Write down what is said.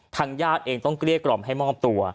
ทางญาติเองต้องเกลี้ยกล่อมให้มอบตัว